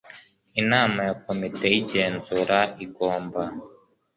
inama ya komite y igenzura igomba